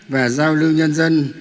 và giao lưu nhân dân